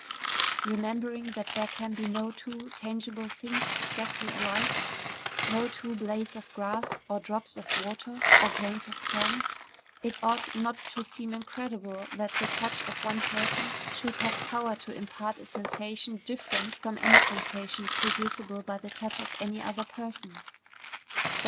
Remembering that there can be no two tangible things exactly alike, no two blades of grass, or drops of water, or grains of sand, it ought not to seem incredible that the touch of one person should have power to impart a sensation different from any sensation producible by the touch of any other person.